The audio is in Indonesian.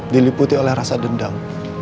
diliputi oleh rasa dendam